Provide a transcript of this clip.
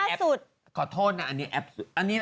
อันนี้คือร่าสุด